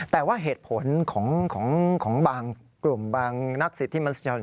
แต่ว่าเหตุผลของบางกลุ่มบางนักศิษย์ที่มันสุจรรย์